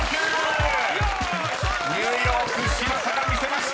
［ニューヨーク嶋佐が見せました！］